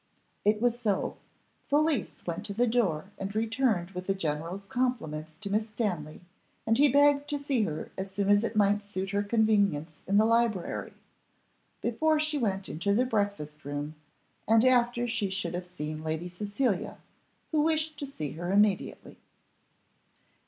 It was so Felicie went to the door and returned with the general's compliments to Miss Stanley, and he begged to see her as soon as it might suit her convenience in the library, before she went into the breakfast room, and after she should have seen Lady Cecilia, who wished to see her immediately.